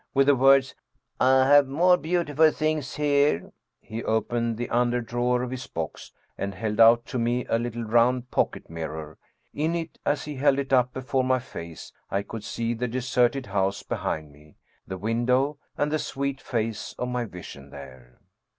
With the words :" I have more beau tiful things here," he opened the under drawer of his box and held out to me a little, round pocket mirror. In it, as he held it up before my face, I could see the deserted house behind me, the window, and the sweet face of my vision there.